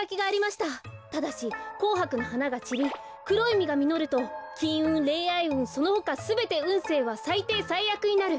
ただしこうはくの花がちりくろいみがみのるときんうんれんあいうんそのほかすべてうんせいはさいていさいあくになる。